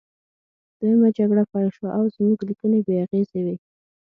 دویمه جګړه پیل شوه او زموږ لیکنې بې اغیزې وې